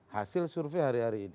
hasil survei hari hari ini